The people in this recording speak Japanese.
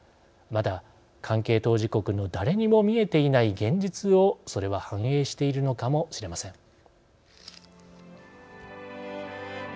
また、関係当事国の誰にも見えていない現実をそれは反映してるのかもしれません。